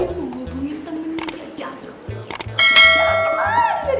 mau hubungin temennya aja